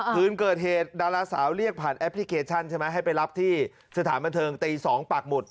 คืนเกิดเหตุดาราสาวเรียกผ่านแอปพลิเคชันใช่ไหมให้ไปรับที่สถานบันเทิงตี๒ปากหมุด